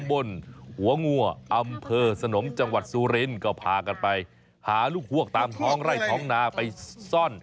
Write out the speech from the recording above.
บนหัวงัวอำเภอสนมจังหวัดสุรินก็พากันไปหาลูกฮวกตามท้องไร่ท้องนาไปซ่อน